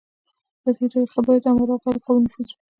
سطحي طبقه باید همواره او غیر قابل نفوذ وي